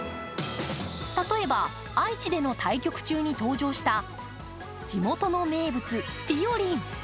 例えば愛知での対局中に登場した地元の名物、ぴよりん。